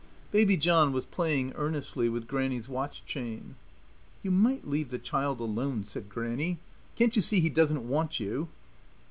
Baby John was playing earnestly with Grannie's watch chain. "You might leave the child alone," said Grannie. "Can't you see he doesn't want you?"